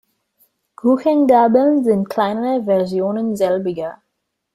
Kuchengabeln sind kleinere Versionen selbiger.